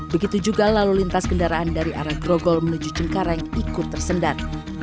begitu juga lalu lintas kendaraan dari arah grogol menuju cengkareng ikut tersendat